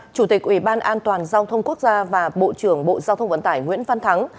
chủ tịch ủy ban an toàn giao thông quốc gia và bộ trưởng bộ giao thông vận tải nguyễn văn thắng